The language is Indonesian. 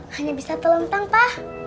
hanya bisa telentang pa